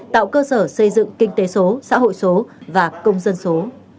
tạo cơ sở xây dựng kinh tế số xã hội số và công dân số